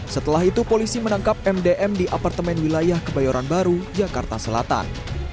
setelah itu polisi menangkap mdm di apartemen wilayah kebayoran baru jakarta selatan